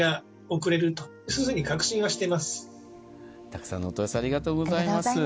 たくさんの問い合わせありがとうございます。